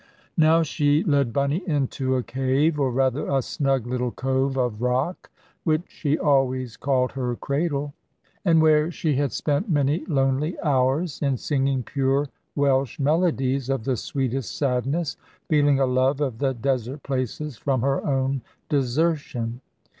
Now she led Bunny into a cave, or rather a snug little cove of rock, which she always called her cradle, and where she had spent many lonely hours, in singing pure Welsh melodies of the sweetest sadness, feeling a love of the desert places from her own desertion.